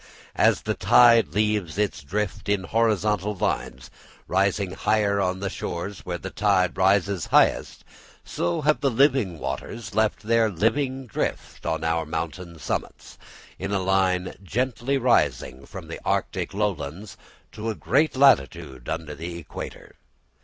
As the tide leaves its drift in horizontal lines, rising higher on the shores where the tide rises highest, so have the living waters left their living drift on our mountain summits, in a line gently rising from the Arctic lowlands to a great latitude under the equator.